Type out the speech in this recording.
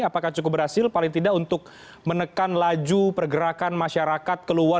apakah cukup berhasil paling tidak untuk menekan laju pergerakan masyarakat keluar